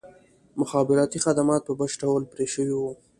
مخابراتي خدمات په بشپړ ډول پرې شوي وو.